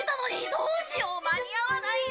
どうしよう間に合わないよ。